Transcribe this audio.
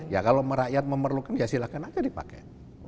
ya kalau merakyat memerlukan ya silahkan aja dipakai